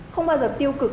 không bao giờ tiêu cực